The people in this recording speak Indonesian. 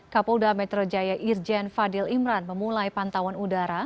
kapolda metro jaya irjen fadil imran memulai pantauan udara